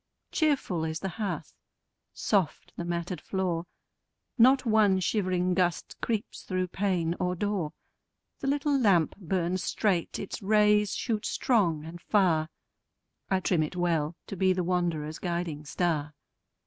Cheerful is the hearth, soft the matted floor; Not one shivering gust creeps through pane or door; The little lamp burns straight, its rays shoot strong and far: I trim it well, to be the wanderer's guiding star.